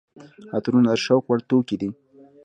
عطرونه د شوق وړ توکي دي.